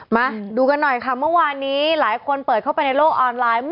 มาดูกันหน่อยค่ะเมื่อวานนี้หลายคนเปิดเข้าไปในโลกออนไลน์